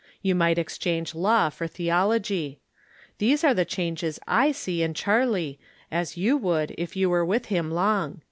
You might exchange law for theology. These are the changes I see in Char ley, as you would, if you were with him long.